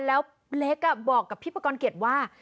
แล้วเล็กบอกกับพี่ประกอบเกียจว่า